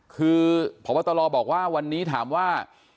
คือพบตรบอกว่าวันนี้ถามว่า